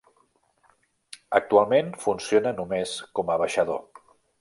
Actualment funciona només com a baixador.